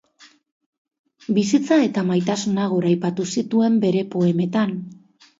Bizitza eta maitasuna goraipatu zituen bere poemetan.